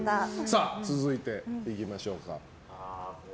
続いて、いきましょうか。